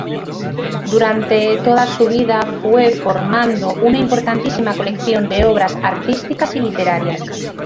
Durante todo su vida fue formando una importantísima colección de obras artísticas y literarias.